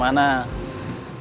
kalo kayak dek daruk nih